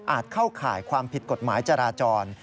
เข้าข่ายความผิดกฎหมายจราจร